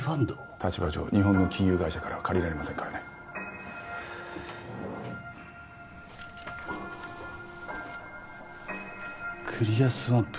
立場上日本の金融会社からは借りられませんからねクリアスワンプ？